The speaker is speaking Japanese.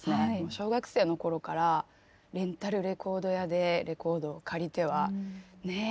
小学生の頃からレンタルレコード屋でレコードを借りてはねえ